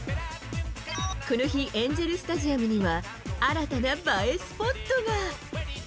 この日、エンゼルスタジアムには新たな映えスポットが。